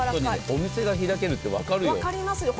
お店が開けるって分かりますよ。